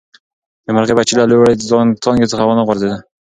د مرغۍ بچي له لوړې څانګې څخه ونه غورځېدل.